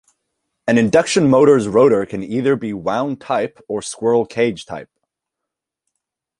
An induction motor's rotor can be either wound type or squirrel-cage type.